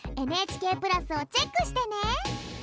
ＮＨＫプラスをチェックしてね！